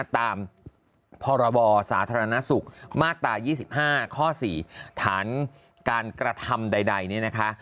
ตามพรบสาธารณสุขมาตรา๒๕ข้อ๔ฐานการกระทำใดเนี่ยนะคะ